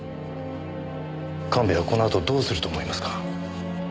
神戸はこのあとどうすると思いますか？